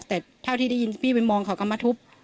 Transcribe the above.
แต่เท่าที่ได้ยินพี่ไปมองเขาก็มาทุบ